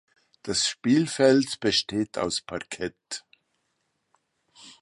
Das Spielfeld besteht aus Parkett.